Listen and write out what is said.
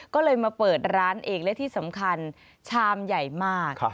ก็เลยมาเปิดร้านเองและที่สำคัญชามใหญ่มาก